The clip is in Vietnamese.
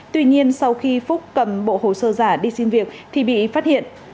tuy nhiên sau khi phúc cầm bộ hồ sơ giả đi xin việc thì bị phát hiện